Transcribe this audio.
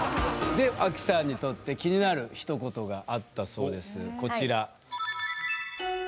でアキさんにとって気になるひと言があったそうですこちら。